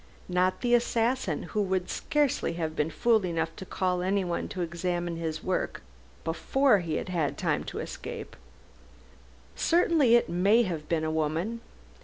Not the assassin, who would scarcely have been fool enough to call anyone to examine his work before he had time to escape. Certainly it may have been a woman!